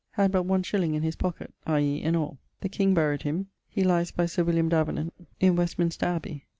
Had but one shilling in his pocket, i.e. in all. The king buryed him. He lyes by Sir William Davenant in Westminster abbey.